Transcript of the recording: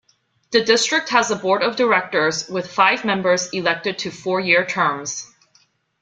The District has a board of directors, with five members elected to four-year terms.